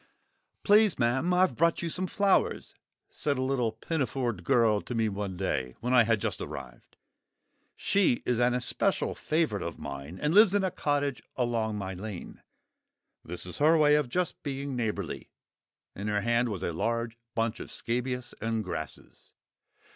"Please, ma'am, I've brought you some flowers," said a little pinafored girl to me one day, when I had just arrived. She is an especial favourite of mine, and lives in a cottage along my lane. This is her way of just being neighbourly. In her hand was a large bunch of scabious and grasses.